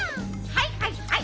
「はいはいはい」